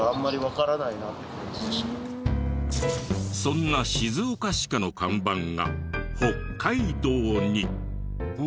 そんな静岡歯科の看板が北海道に。